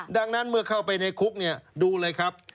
ดังนั้นเมื่อเข้าไปในคุกเนี่ยดูเลยครับ